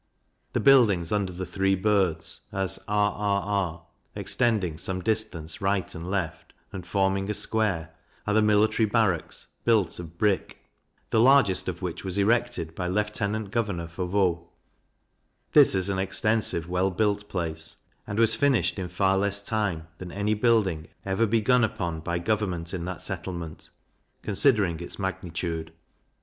The buildings under three birds, as r r r, extending some distance right and left, and forming a square, are the Military Barracks, built of brick, the largest of which was erected by Lieutenant Governor Foveaux: This is an extensive well built place, and was finished in far less time than any building ever begun upon by government in that settlement, considering its magnitude.